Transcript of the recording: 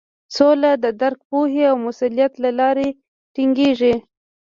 سوله د درک، پوهې او مسولیت له لارې ټینګیږي.